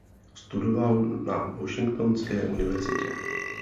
Studoval na Washingtonské univerzitě.